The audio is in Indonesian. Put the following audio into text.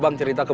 jadi jemput aku